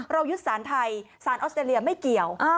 ยึดสารไทยสารออสเตรเลียไม่เกี่ยว